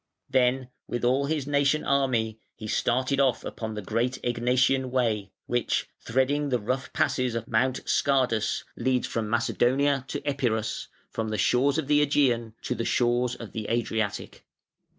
Then with all his nation army he started off upon the great Egnatian Way, which, threading the rough passes of Mount Scardus, leads from Macedonia to Epirus, from the shores of the Ægean to the shores of the Adriatic.